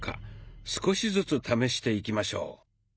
少しずつ試していきましょう。